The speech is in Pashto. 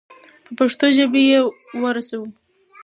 د پښتو په ژبه یې ورسوو.